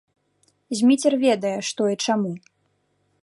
Зміцер ведае, што і чаму!